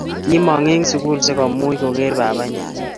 kimong eng sukul sikomuch koker babanyi